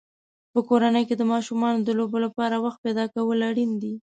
په کورنۍ کې د ماشومانو د لوبو لپاره وخت پیدا کول اړین دي.